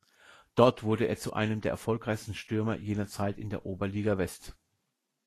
Dort wurde er zu einem der erfolgreichsten Stürmer jener Zeit in der Oberliga West.